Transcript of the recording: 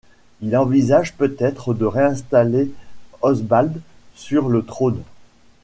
Il envisage peut-être de réinstaller Osbald sur le trône.